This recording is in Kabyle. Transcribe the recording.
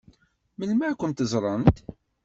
Melmi ad kent-ẓṛent?